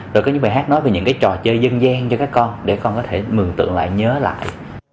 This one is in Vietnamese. rồi có những bài hát nói về những cái trò chơi dân gian cho các con để con có thể mường tượng lại nhớ lại